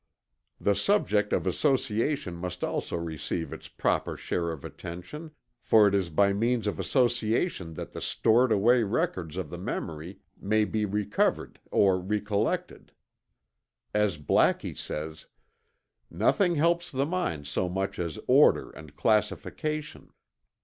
The subject of association must also receive its proper share of attention, for it is by means of association that the stored away records of the memory may be recovered or re collected. As Blackie says: "Nothing helps the mind so much as order and classification.